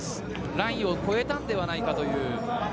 ラインを越えたのではないかという。